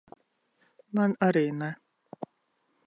Man arī ne.